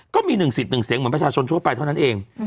ก็มี๑สิทธิ์๑เสียงเหมือนประชาชนทั่วไปเท่านั้นเอง